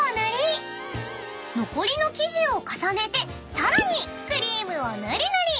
［残りの生地を重ねてさらにクリームを塗り塗り］